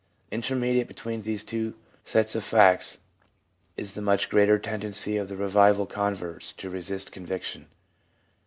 Intermediate between these two sets of facts is the much greater tendency of the revival converts to resist conviction.